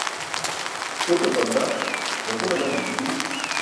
Uṭe balda ẓakune ganas api.